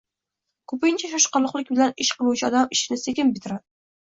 Ko’pincha shoqaloqlik bilan ish qiluvchi odam ishini sekin bitiradi.